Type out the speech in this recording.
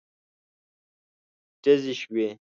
ډزې شوې.